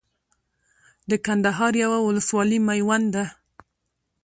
د کندهار يوه ولسوالي ميوند ده